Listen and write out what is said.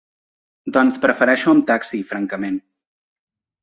Doncs prefereixo amb taxi francament.